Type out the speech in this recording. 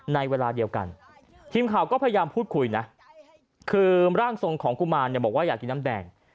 ในเวลาเดียวกันทีมข่าวก็พยายามพูดคุยนะคือร่างทรงของกุมารเนี่ยบอกว่าอยากกินน้ำแดง